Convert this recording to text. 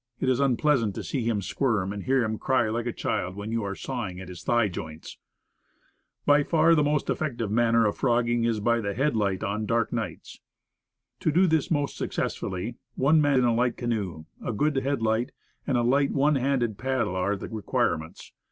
It is unpleasant to see him squirm, and hear him cry like a child while you are sawing at his thigh joints. By far the most effective manner of frogging is by The Headlight. 67 the headlight on dark nights. To do this most suc cessfully, one man in a light canoe, a good headlight and a light, one handed paddle, are the requirements.